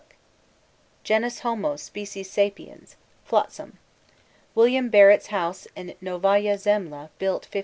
Book_ Genus Homo, Species Sapiens! FLOTSAM Wm. Barents' house in Novaya Zemlya built 1596.